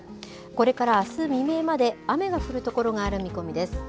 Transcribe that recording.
これからあす未明まで、雨が降る所がある見込みです。